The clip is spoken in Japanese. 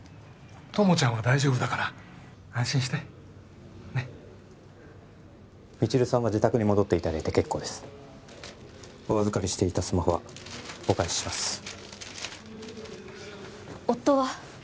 友ちゃんは大丈夫だから安心してねっ未知留さんは自宅に戻っていただいて結構ですお預かりしていたスマホはお返しします夫は？